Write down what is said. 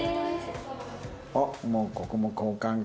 あっもうここも交換か。